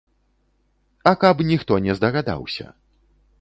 А каб ніхто не здагадаўся.